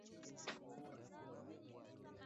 Steffanssson alifanikiwa kurukia ndani ya mashua